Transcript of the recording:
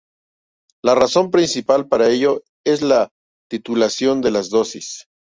La razón principal para ello es la titulación de la dosis.